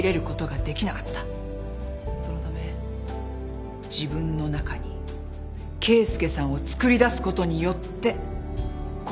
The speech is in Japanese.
そのため自分の中に啓介さんをつくり出すことによって心の安定を保とうとした。